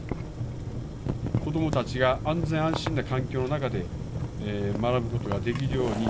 子どもたちが安全安心な環境の中で学ぶことができるように、